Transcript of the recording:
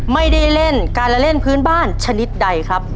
ไม่ได้เล่นการละเล่นพื้นบ้านชนิดใดครับ